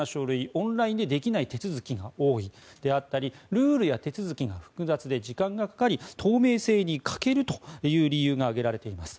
オンラインでできない手続きが多いであったりルールや手続きが複雑で時間がかかり透明性に欠けるという理由が挙げられています。